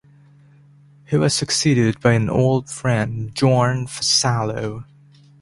He was succeeded by an old friend Bjorn Vassallo.